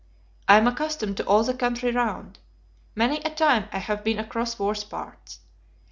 I am accustomed to all the country round. Many a time I have been across worse parts.